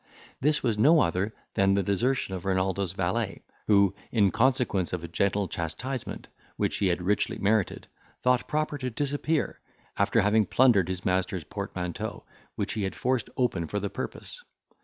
This was no other than the desertion of Renaldo's valet, who, in consequence of a gentle chastisement, which he had richly merited, thought proper to disappear, after having plundered his master's portmanteau, which he had forced open for the purpose.